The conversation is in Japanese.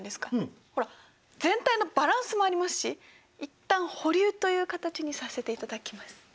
ほら全体のバランスもありますし一旦保留という形にさせていただきます。